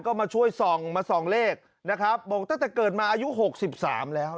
ก็มาช่วยส่องเลขนะครับบอกตั้งแต่เกิดมาอายุ๖๓แล้ว